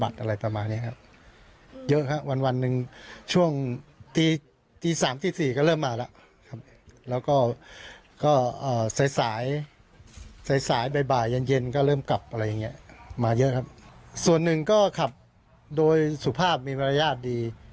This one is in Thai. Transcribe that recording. ส่วนหนึ่งก็ขับโดยสุภาพมีมารยาทดี